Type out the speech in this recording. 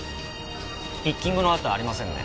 ピッキングの痕ありませんね。